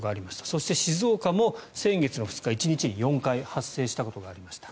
そして、静岡も先月の２日１日に４回発生したことがありました。